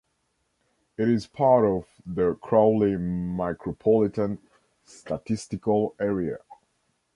It is part of the Crowley Micropolitan Statistical Area.